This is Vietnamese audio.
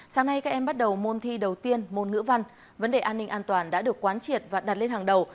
sáng nay các em bắt đầu môn thi đầu tiên môn ngữ văn vấn đề an ninh an toàn đã được quán triệt và đặt lên hàng đầu